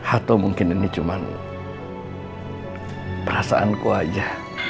atau mungkin ini cuma perasaanku aja